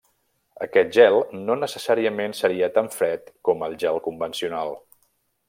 Aquest gel no necessàriament seria tan fred com el gel convencional.